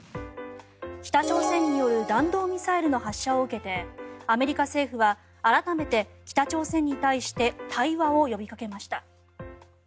北朝鮮による弾道ミサイルの発射を受けてアメリカ政府は改めて北朝鮮に対して対話を呼びかけました。